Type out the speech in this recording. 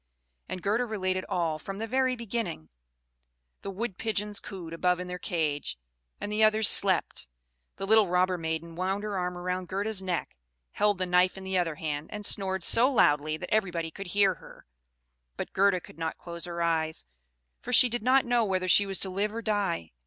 And Gerda related all, from the very beginning: the Wood pigeons cooed above in their cage, and the others slept. The little robber maiden wound her arm round Gerda's neck, held the knife in the other hand, and snored so loud that everybody could hear her; but Gerda could not close her eyes, for she did not know whether she was to live or die.